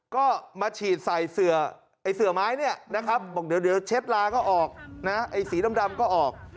ก็มาฉีดใส่เสือไม้เนี่ยนะครับบอกเดี๋ยวเช็ดลาก็ออกนะไอ้สีดำก็ออก